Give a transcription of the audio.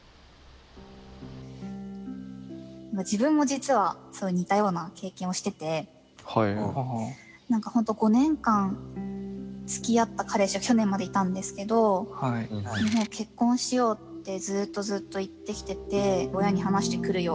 自分も実は似たような経験をしてて何か本当５年間つきあった彼氏が去年までいたんですけど「結婚しよう」ってずっとずっと言ってきてて「親に話してくるよ。